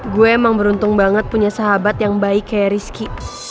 gue emang beruntung banget punya sahabat yang baik kayak rizky